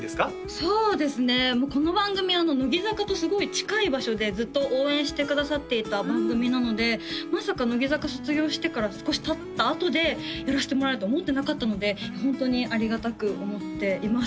そうですねもうこの番組乃木坂とすごい近い場所でずっと応援してくださっていた番組なのでまさか乃木坂卒業してから少したったあとでやらせてもらえると思ってなかったのでホントにありがたく思っています